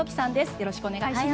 よろしくお願いします。